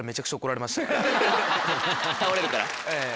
ええ倒れるから。